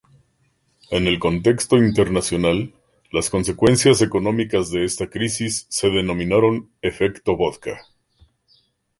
En el contexto internacional, las consecuencias económicas de esta crisis se denominaron "Efecto Vodka".